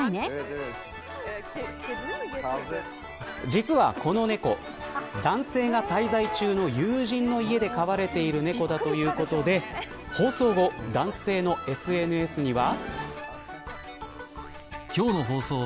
実は、この猫男性が滞在中の友人の家で飼われている猫だということで放送後、男性のＳＮＳには。